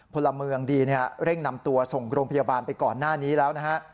พลเมืองดีเร่งนำตัวส่งโรงพยาบาลไปก่อนหน้านี้แล้วนะฮะ